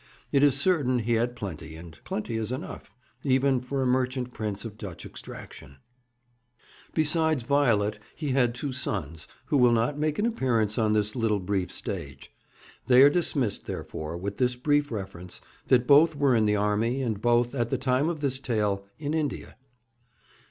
It is certain he had plenty, and plenty is enough, even for a merchant prince of Dutch extraction. Besides Violet, he had two sons, who will not make an appearance on this little brief stage. They are dismissed, therefore, with this brief reference that both were in the army, and both, at the time of this tale, in India.